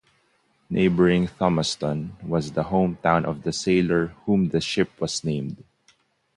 Neighboring Thomaston was the hometown of the sailor for whom the ship was named.